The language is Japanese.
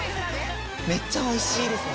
めっちゃおいしいですね。